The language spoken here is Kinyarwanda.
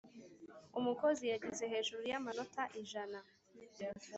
umukozi yagize hejuru y’amanota ijana